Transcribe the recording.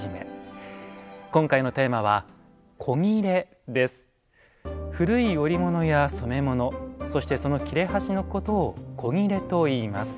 今回のテーマは古い織物や染め物そしてその切れ端のことを「古裂」といいます。